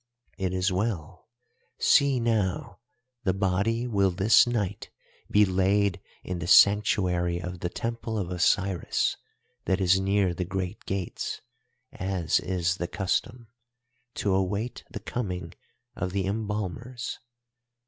"'It is well. See, now, the body will this night be laid in the sanctuary of the Temple of Osiris that is near the great gates, as is the custom, to await the coming of the embalmers.